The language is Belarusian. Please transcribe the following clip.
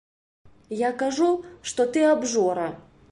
Я кажу, што ты абжора.